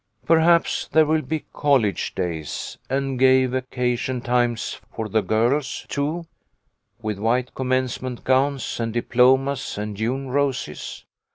Perhaps there will be college days and gay vaca tion times for the girls, too, with white commence ment gowns and diplomas and June roses.